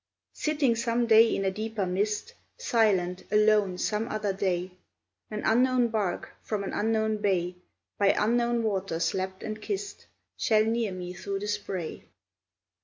Sitting some day in a deeper mist, Silent, alone, some other day, An unknown bark from an unknown bay, By unknown waters lapped and kissed, Shall near me through the spray.